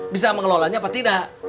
bisa mengelolanya apa tidak